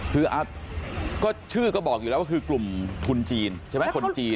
คือก็ชื่อก็บอกอยู่แล้วว่าคือกลุ่มทุนจีนใช่ไหมคนจีน